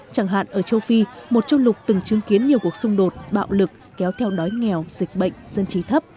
chẳng hạn ở châu phi một châu lục từng chứng kiến nhiều cuộc xung đột bạo lực kéo theo đói nghèo dịch bệnh dân trí thấp